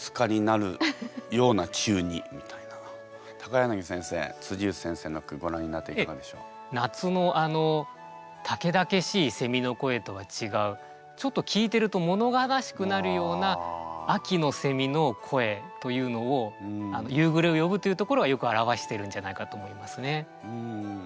柳先生内先生の句ご覧になって夏のたけだけしいせみの声とは違うちょっと聞いてるともの悲しくなるような秋のせみの声というのを「夕暮れを呼ぶ」というところはよく表してるんじゃないかと思いますね。